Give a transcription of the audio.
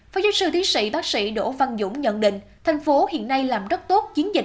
phó giáo sư tiến sĩ bác sĩ đỗ văn dũng nhận định thành phố hiện nay làm rất tốt chiến dịch